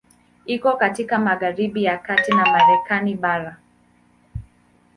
Iko katika magharibi ya kati ya Marekani bara.